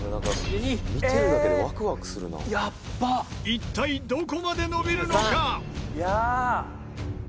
一体どこまで伸びるのか？